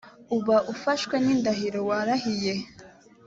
uba ufashwe n indahiro warahiye